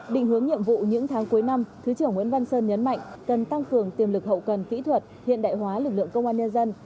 định hướng nhiệm vụ những tháng cuối năm thứ trưởng nguyễn văn sơn nhấn mạnh cần tăng cường tiềm lực hậu cần kỹ thuật hiện đại hóa lực lượng công an nhân dân